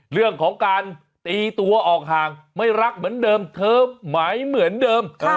เรื่องของการตีตัวออกห่างไม่รักเหมือนเดิมเธอไหมเหมือนเดิม